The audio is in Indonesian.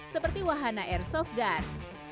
seperti wahana airsoft gun